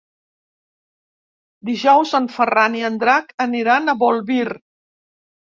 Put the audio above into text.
Dijous en Ferran i en Drac aniran a Bolvir.